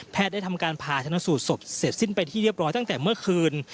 ได้ทำการผ่าชนสูตรศพเสร็จสิ้นไปที่เรียบร้อยตั้งแต่เมื่อคืน